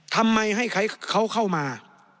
ทำไมให้เขาเข้ามา